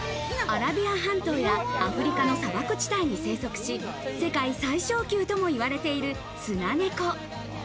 アラビア半島や、アフリカの砂漠地帯に生息し、世界最小級ともいわれている、スナネコ。